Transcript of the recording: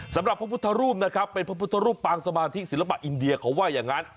พระพุทธรูปนะครับเป็นพระพุทธรูปปางสมาธิศิลปะอินเดียเขาว่าอย่างนั้น